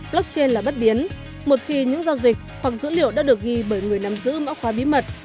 blockchain là bất biến một khi những giao dịch hoặc dữ liệu đã được ghi bởi người nắm giữ mã hóa bí mật